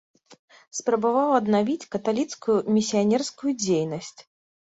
Спрабаваў аднавіць каталіцкую місіянерскую дзейнасць.